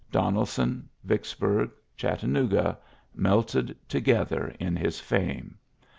Donelson, Vicksburg, Chat tanooga^ melted together in his fame.